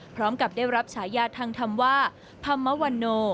พร้อมกับได้รับฉายาทางธรรมว่าธรรมวันโน